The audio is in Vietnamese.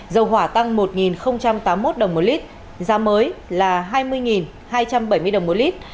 dầu hỏa tăng một tám mươi một đồng một lít giá mới là hai mươi hai trăm bảy mươi đồng một lít